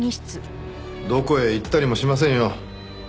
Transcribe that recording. どこへ行ったりもしませんよ。